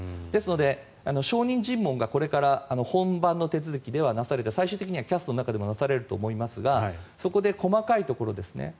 ですので、証人尋問がこれから本番の手続きで話されて最終的にはＣＡＳの中でもなされると思いますがそこで細かいところですね